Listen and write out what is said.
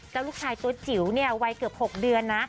แล้วลูกชายตัวจิ๋วเนี่ยวัยเกือบ๖เดือนนะ